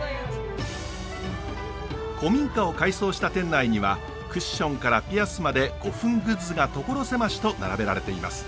古民家を改装した店内にはクッションからピアスまで古墳グッズが所狭しと並べられています。